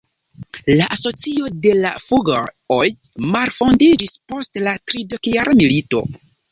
La asocio de la Fugger-oj malfondiĝis post la tridekjara milito.